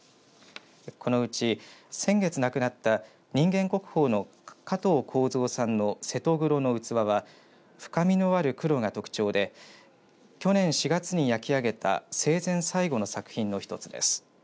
このうち先月亡くなった人間国宝の加藤孝造さんの瀬戸黒の器は深みのある黒が特徴で去年４月に焼き上げた生前最後作品の一つです。